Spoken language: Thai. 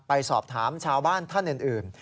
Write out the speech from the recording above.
ไปสอบถามชาวบ้านท่านอื่น